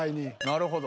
なるほど。